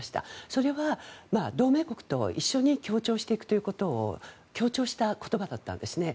それは同盟国と一緒に協調していくということを強調した言葉だったんですね。